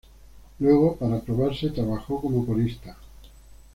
Luego, para probarse, trabajó como corista.